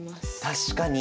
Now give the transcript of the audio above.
確かに。